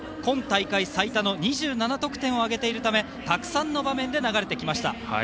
今大会最多の２７得点を挙げているためたくさんの場面で聞こえてきました。